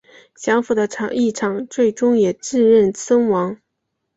降伏的义长最终也自刃身亡。